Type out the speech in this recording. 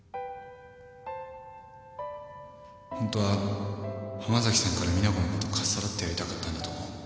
本当は濱崎さんから実那子のことかっさらってやりたかったんだと思う